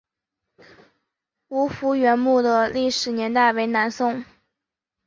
吴福源墓的历史年代为南宋。